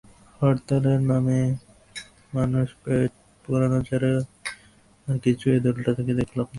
হরতালের নামে মানুষ পোড়ানো ছাড়া আর কিছু এ দলটা থেকে দেখলাম না।